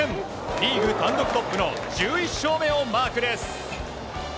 リーグ単独トップの１１勝目をマークです。